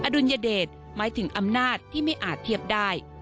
ดุลยเดชหมายถึงอำนาจที่ไม่อาจเทียบได้